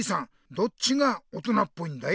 どっちが大人っぽいんだい？